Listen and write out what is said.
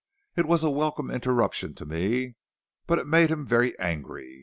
It was a welcome interruption to me, but it made him very angry.